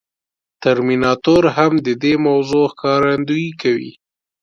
ترمیناتور هم د دې موضوع ښکارندويي کوي.